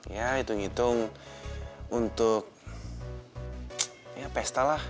ya hitung hitung untuk ya pesta lah